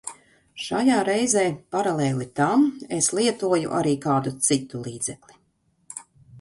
Šajā reizē paralēli tam es lietoju arī kādu citu līdzekli.